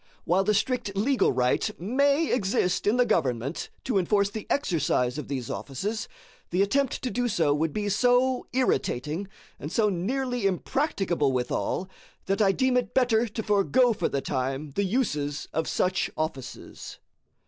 While the strict legal right may exist in the government to enforce the exercise of these offices, the attempt to do so would be so irritating, and so nearly impracticable withal, that I deem it better to forego for the time the uses of such offices.